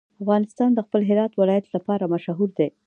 افغانستان د خپل هرات ولایت لپاره مشهور دی.